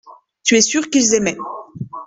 Tu es sûr qu’ils aimaient.